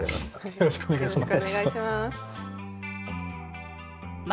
よろしくお願いします。